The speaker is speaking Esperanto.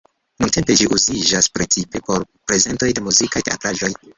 Nuntempe ĝi uziĝas precipe por prezentoj de muzikaj teatraĵoj.